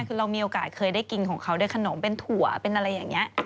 คือเรามีโอกาสเคยได้กินของเขาด้วยขนมเป็นถั่วเป็นอะไรอย่างนี้